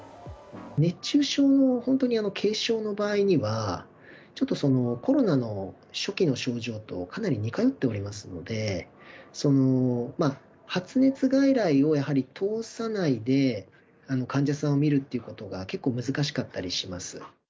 熱中症も本当に軽症の場合には、ちょっとコロナの初期の症状とかなり似通っておりますので、発熱外来をやはり通さないで、患者さんを診るっていうことが、結構難しかったりします。